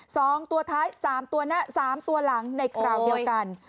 สองตัวท้ายสามตัวนะสามตัวหลังในคราวเดียวกัน